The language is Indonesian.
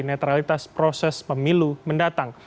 netralitas proses pemilu mendatang